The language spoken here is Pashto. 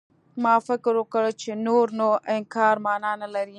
ما فکر وکړ چې نور نو انکار مانا نه لري.